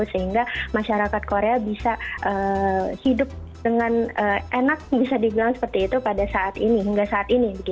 sehingga masyarakat korea bisa hidup dengan enak bisa dibilang seperti itu pada saat ini